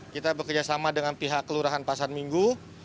kita bekerjasama dengan pihak kelurahan pasar minggu